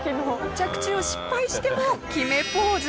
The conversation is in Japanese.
着地を失敗しても決めポーズ。